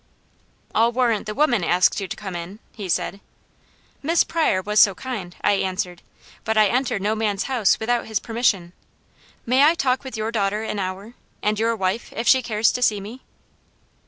"'I'll warrant the women asked you to come in,' he said. "'Miss Pryor was so kind,' I answered, 'but I enter no man's house without his permission. May I talk with your daughter an hour, and your wife, if she cares to see me?'